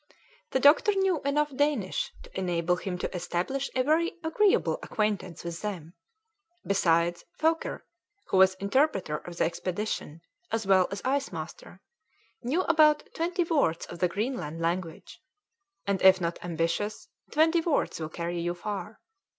The doctor knew enough Danish to enable him to establish a very agreeable acquaintance with them; besides, Foker, who was interpreter of the expedition, as well as ice master, knew about twenty words of the Greenland language, and if not ambitious, twenty words will carry you far.